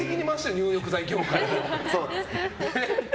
入浴剤業界を。